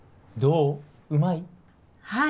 うまい？